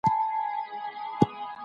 هغې د خپل عمر حاصل ترلاسه کړ.